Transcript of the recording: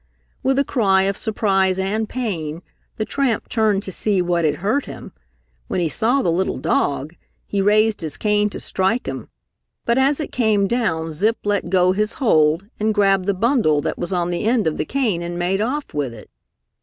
With a cry of surprise and pain, the tramp turned to see what had hurt him. When he saw the little dog, he raised his cane to strike him, but as it came down Zip let go his hold and grabbed the bundle that was on the end of the cane and made off with it.